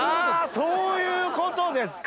そういうことですか。